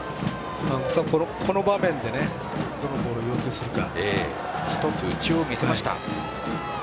この場面でどのボールを要求するか。